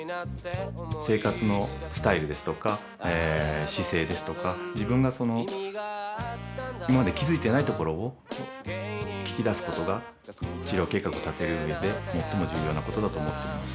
生活のスタイルですとか姿勢ですとか自分が今まで気付いてないところを聞き出すことが治療計画を立てるうえでもっとも重要なことだと思っています。